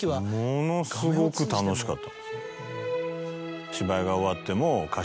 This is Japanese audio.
ものすごく楽しかった。